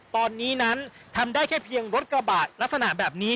ตอนนี้นั้นทำได้แค่เพียงรถกระบะลักษณะแบบนี้